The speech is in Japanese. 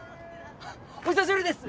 お久しぶりです！